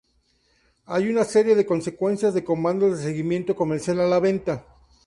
Hay una serie de secuencias de comandos de seguimiento comercial a la venta.